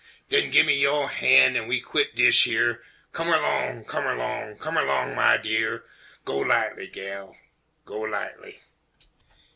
Den gimme yo' han' an' we quit dish yer, Come erlong, come erlong, come erlong, my dear, Go lightly, gal, go lightly!